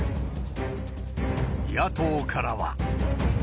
野党からは。